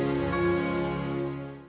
kasih ke siapa